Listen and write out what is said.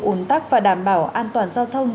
ủng tắc và đảm bảo an toàn giao thông